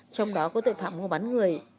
trong đó có tội phạm mua bán người